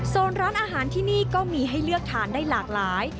ร้านอาหารที่นี่ก็มีให้เลือกทานได้หลากหลาย